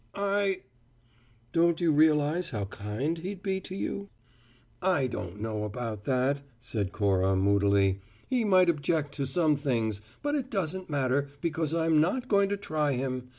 I " "Don't you realize how kind he'd be to you?" "I don't know about that," said Cora moodily. "He might object to some things but it doesn't matter, because I'm not going to try him.